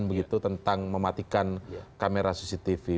begitu tentang mematikan kamera cctv